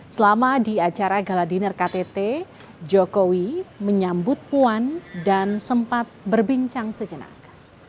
selama di acara gala diner ktt jokowi menyambut puan dan sempat berbincang sejenak